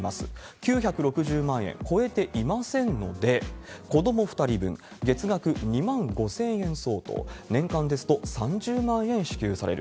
９６０万円超えていませんので、子ども２人分、月額２万５０００円相当、年間ですと３０万円支給される。